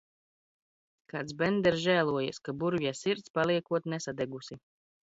Kāds bende ir žēlojies, ka burvja sirds paliekot nesadegusi.